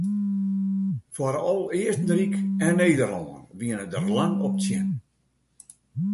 Foaral Eastenryk en Nederlân wiene der lang op tsjin.